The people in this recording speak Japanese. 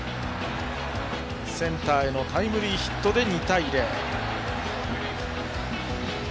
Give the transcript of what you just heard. センターへのタイムリーヒットで２対０。